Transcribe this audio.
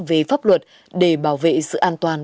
về pháp luật để bảo vệ sự an toàn